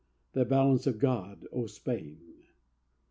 the balance of God, O Spain!